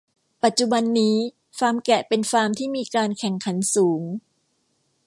ปัจจุบันนี้ฟาร์มแกะเป็นฟาร์มที่มีการแข่งขันสูง